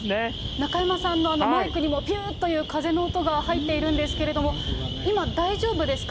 中山さんのマイクにも、ぴゅーっという風の音が入っているんですけれども、今、大丈夫ですか？